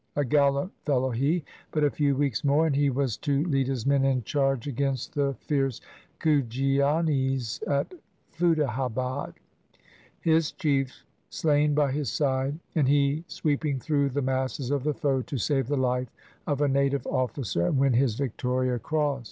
A gallant fellow he ! But a few weeks more, and he was to lead his men in charge against the fierce Kujianis at Futtehabad — his chief slain by his side — and he sweeping through the masses of the foe to save the life of a native officer and win his Victoria Cross.